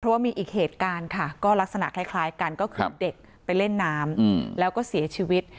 เพราะว่ามีอีกเหตุการณ์ค่ะก็ลักษณะคล้ายกันก็คือเด็กไปเล่นน้ำแล้วก็เสียชีวิต